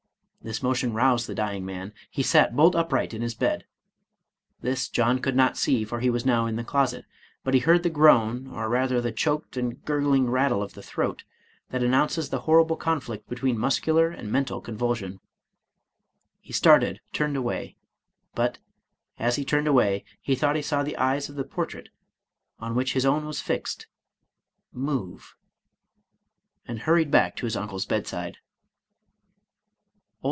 The motion roused the dying man ;— he sat bolt upright in his bed. This John could not see, for he was now in the closet ; but he heard the groan, or rather the choked and gurgling rattle of the throat, that announces the horrible conflict between muscular and mental convulsion. He started, turned away; but, as he turned away, he thought he saw the eyes of the portrait, on which his own was fixed, move, and hurried back to his uncle's bedside.